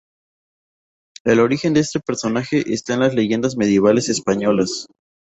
El origen de este personaje está en las leyendas medievales españolas.